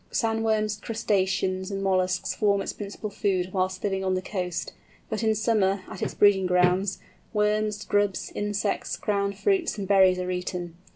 Sand worms, crustaceans, and molluscs form its principal food whilst living on the coast, but in summer, at its breeding grounds, worms, grubs, insects, ground fruits, and berries are eaten.